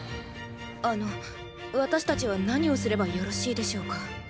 あの私たちは何をすればよろしいでしょうか？